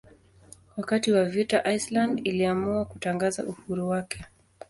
Wakati wa vita Iceland iliamua kutangaza uhuru wake.